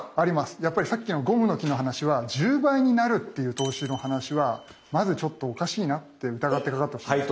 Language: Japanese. やっぱりさっきのゴムの木の話は１０倍になるっていう投資の話はまずちょっとおかしいなって疑ってかかってほしかったですね。